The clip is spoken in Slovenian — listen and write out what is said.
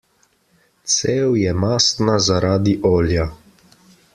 Cev je mastna zaradi olja.